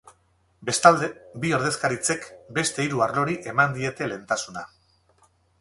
Bestalde, bi ordezkaritzek beste hiru arlori eman diete lehentasuna.